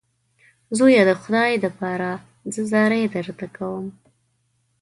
زویه د خدای دپاره زه زارۍ درته کوم.